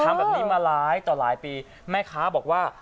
ทำแบบนี้มาหลายต่อหลายปีแม่ค้าบอกว่า